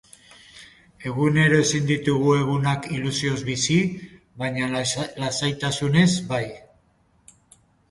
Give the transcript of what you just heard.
Egunero ezin ditugu egunak ilusioz bizi, baina lasaitasunez bai.